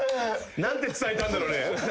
何て伝えたんだろね。